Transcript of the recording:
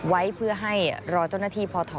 ไว้เพื่อให้รอเจ้าหน้าที่พท